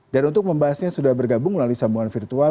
dan untuk membahasnya sudah bergabung melalui sambungan virtual